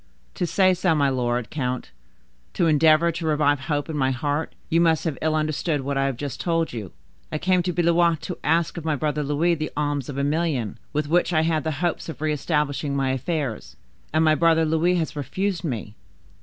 "To say so, my lord count, to endeavor to revive hope in my heart, you must have ill understood what I have just told you. I came to Blois to ask of my brother Louis the alms of a million, with which I had the hopes of re establishing my affairs; and my brother Louis has refused me.